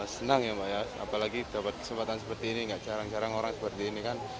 senang ya mbak ya apalagi dapat kesempatan seperti ini gak jarang jarang orang seperti ini kan